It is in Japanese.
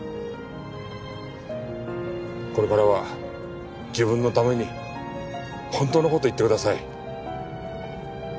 これからは自分のために本当の事を言ってください。